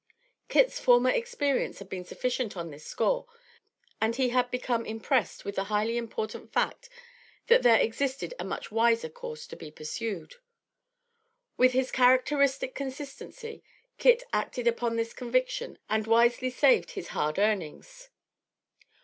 Kit's former experience had been sufficient on this score, and he had become impressed with the highly important fact that there existed a much wiser course to be pursued. With his characteristic consistency, Kit acted upon this conviction and wisely saved his hard earnings.